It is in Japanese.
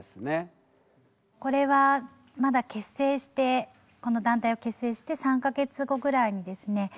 これはまだ結成してこの団体を結成して３か月後ぐらいにですね